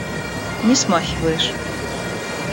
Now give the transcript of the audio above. Не смахиваешь.